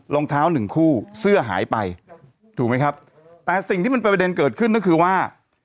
รองเท้าหนึ่งคู่เสื้อหายไปถูกไหมครับแต่สิ่งที่มันเป็นประเด็นเกิดขึ้นก็คือว่า